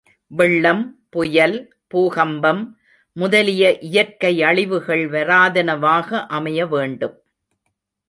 வெள்ளம், புயல், பூகம்பம் முதலிய இயற்கை அழிவுகள் வாராதனவாக அமைய வேண்டும்.